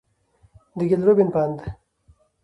د ګيل روبين په اند،